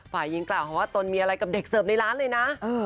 ฝ่ายหญิงกล่าวเขาว่าตนมีอะไรกับเด็กเสิร์ฟในร้านเลยนะ